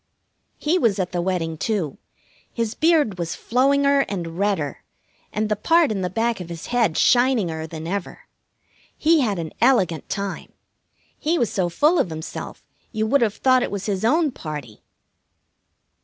He was at the wedding, too. His beard was flowinger and redder, and the part in the back of his head shininger than ever. He had an elegant time. He was so full of himself you would have thought it was his own party.